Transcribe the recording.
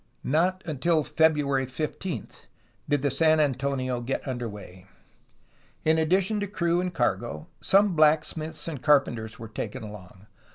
Not until February 15 did the San Antonio get under way. In addition to crew and cargo, some blacksmiths and carpenters were taken along.